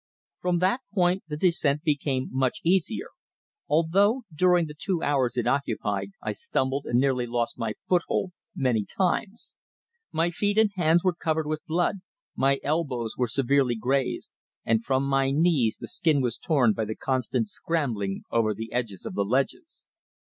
From that point the descent became much easier, although during the two hours it occupied I stumbled and nearly lost my foothold many times. My feet and hands were covered with blood, my elbows were severely grazed, and from my knees the skin was torn by the constant scrambling over the edges of the ledges.